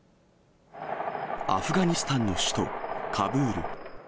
アフガニスタンの首都カブール。